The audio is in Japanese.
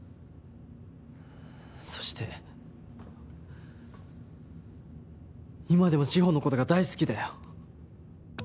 そして今でも志法の事が大好きだよ。